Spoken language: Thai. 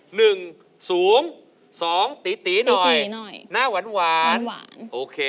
หนึ่งสูงสองตีหน่อยหน้าหวานโอเค